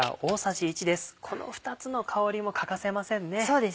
この２つの香りも欠かせませんね。